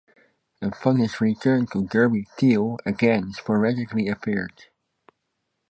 Upon his return to Derby Teale again sporadically appeared.